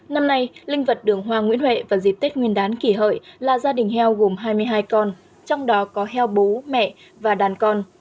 năm nay linh vật đường hoa nguyễn huệ vào dịp tết nguyên đán kỷ hợi là gia đình heo gồm hai mươi hai con trong đó có heo bố mẹ và đàn con